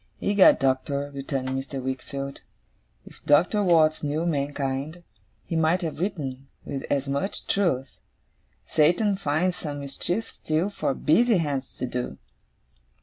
'Egad, Doctor,' returned Mr. Wickfield, 'if Doctor Watts knew mankind, he might have written, with as much truth, "Satan finds some mischief still, for busy hands to do."